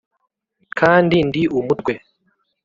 kandi ndi umutwe